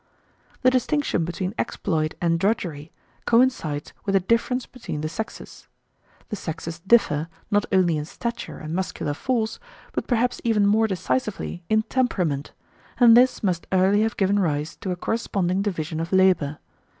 The distinction between exploit and drudgery coincides with a difference between the sexes. The sexes differ, not only in stature and muscular force, but perhaps even more decisively in temperament, and this must early have given rise to a corresponding division of labour.